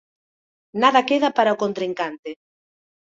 Nada queda para o contrincante.